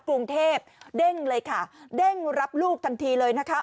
กรุงเทพเด้งเลยค่ะเด้งรับลูกทันทีเลยนะคะ